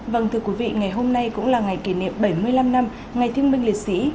vâng thưa quý vị ngày hôm nay cũng là ngày kỷ niệm bảy mươi năm năm ngày thương minh liệt sĩ